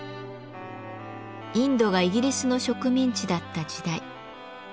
インドがイギリスの植民地だった時代。